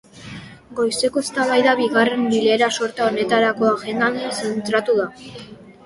Goizeko eztabaida bigarren bilera-sorta honetarako agendan zentratu da.